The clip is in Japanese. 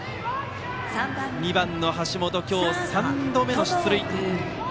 ２番の橋本、今日３度目の出塁。